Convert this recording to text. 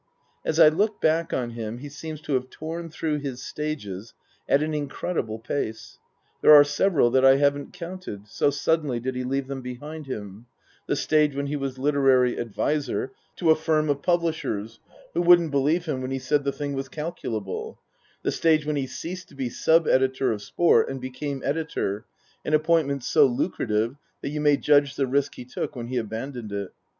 As I look back on him he seems to have torn through his stages at an incredible pace. There are several that I haven't counted, so suddenly did he leave them behind him : the stage when he was literary adviser to a firm of publishers, who wouldn't believe him when he said the thing was calculable ; the stage when he ceased to be sub editor of Sport and became editor, an appointment so lucrative that you may judge the risk he took when he abandoned it.